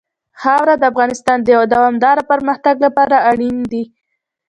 خاوره د افغانستان د دوامداره پرمختګ لپاره اړین دي.